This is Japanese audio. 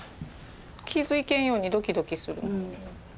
傷いけんようにドキドキする。